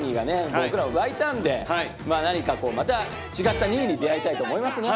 僕らも湧いたんでまあ何かまた違った２位に出会いたいと思いますね。